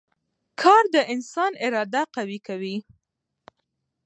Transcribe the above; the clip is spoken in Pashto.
کار د انسان اراده قوي کوي